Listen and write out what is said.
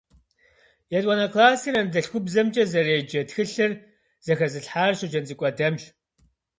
Етӏуанэ классыр анэдэлъхубзэмкӏэ зэреджэ тхылъыр зэхэзылъхьар Щоджэнцӏыкӏу Адэмщ.